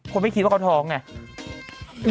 ไม่คิดว่าเขาท้องไง